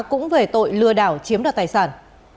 cũng về tội lừa đảo chiếm đọt tài sản